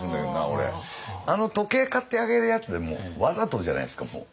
あの時計買ってあげるやつでもわざとじゃないですかもう。